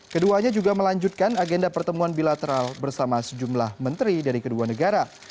keduanya juga melanjutkan agenda pertemuan bilateral bersama sejumlah menteri dari kedua negara